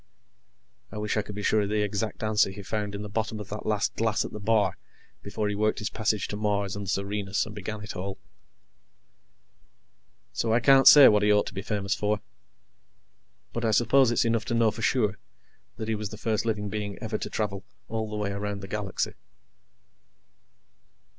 I wish I could be sure of the exact answer he found in the bottom of that last glass at the bar before he worked his passage to Mars and the Serenus, and began it all. So, I can't say what he ought to be famous for. But I suppose it's enough to know for sure that he was the first living being ever to travel all the way around the galaxy.